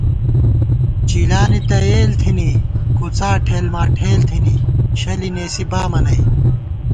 چِلانی تہ یېل تھنی، کُڅا ٹھیلماٹھیل تھنی، شلے نېسی بامہ نئ